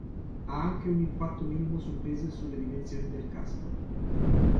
Ha anche un impatto minimo sul peso e sulle dimensioni del casco.